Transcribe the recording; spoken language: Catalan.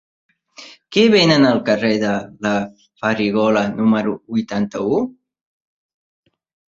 Què venen al carrer de la Farigola número vuitanta-u?